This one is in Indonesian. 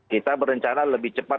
kita berencana lebih cepat